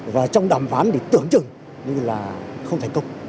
và trong đàm phán thì tưởng chừng như là không thành công